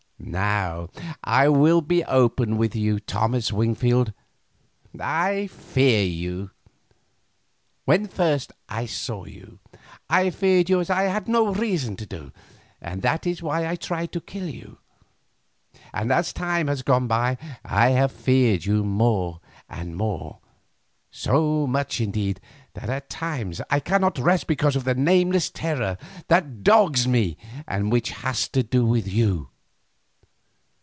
Now I will be open with you; Thomas Wingfield, I fear you. When first I saw you I feared you as I had reason to do, and that is why I tried to kill you, and as time has gone by I have feared you more and more, so much indeed, that at times I cannot rest because of a nameless terror that dogs me and which has to do with you.